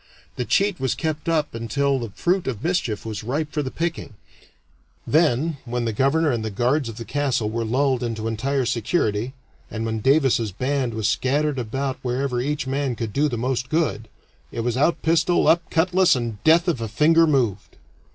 The cheat was kept up until the fruit of mischief was ripe for the picking; then, when the governor and the guards of the castle were lulled into entire security, and when Davis's band was scattered about wherever each man could do the most good, it was out pistol, up cutlass, and death if a finger moved.